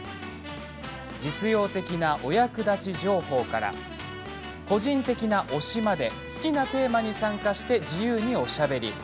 実用的なお役立ち情報から個人的な推しまで好きなテーマに参加して自由におしゃべり。